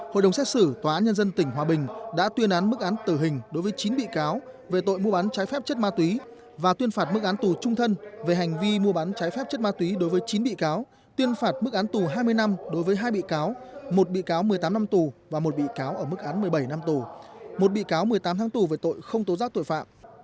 hội đồng xét xử tòa án nhân dân tỉnh hòa bình đã tuyên án mức án tử hình đối với chín bị cáo về tội mua bán trái phép chất ma túy và tuyên phạt mức án tù trung thân về hành vi mua bán trái phép chất ma túy đối với chín bị cáo tuyên phạt mức án tù hai mươi năm đối với hai bị cáo một bị cáo một mươi tám năm tù và một bị cáo ở mức án một mươi bảy năm tù một bị cáo một mươi tám tháng tù về tội không tố giác tội phạm